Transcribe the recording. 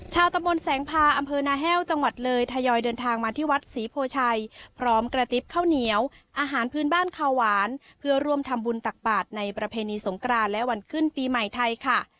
ชาวตำบลแสงพาอำเภอนาแห้วจังหวัดเลยทยอยเดินทางมาที่วัดศรีโพชัยพร้อมกระติบข้าวเหนียวอาหารพื้นบ้านคาหวานเพื่อร่วมทำบุญตักบาทในประเพณีสงกรานและวันขึ้นปีใหม่ไทยค่ะ